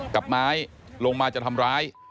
กับไม้ลงมาจะทำร้าย